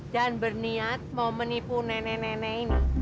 dan berniat mau menipu nenek nenek ini